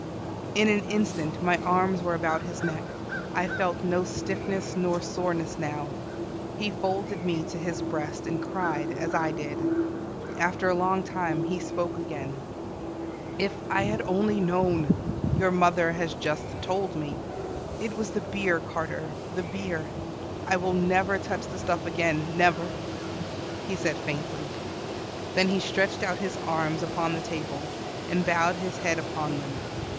In an instant my arms were about his neck I felt no stiffness nor soreness now. He folded me to his breast, and cried, as I did. After a long time he spoke again: "If I had only known your mother has just told me. It was the beer, Carter, the beer. I will never touch the stuff again, never," he said faintly. Then he stretched out his arms upon the table, and bowed his head upon them.